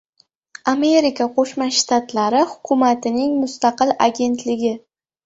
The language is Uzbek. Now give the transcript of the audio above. Amerika Qo‘shma Shtatlari hukumatining mustaqil agentligi